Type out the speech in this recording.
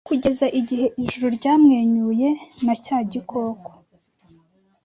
kugeza igihe ijuru ryamwenyuye na cya gikoko